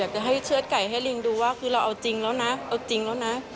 ก็เอาจริงแล้วนะเอาจริงแล้วนะ